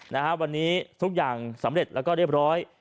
นะฮะวันนี้ทุกอย่างสำเร็จแล้วก็เรียบร้อย